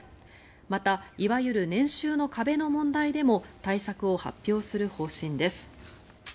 またいわゆる年収の壁の問題でも対策を発表する方針です。